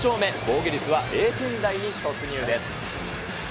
防御率は０点台に突入です。